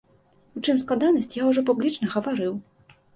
У чым складанасць, я ўжо публічна гаварыў.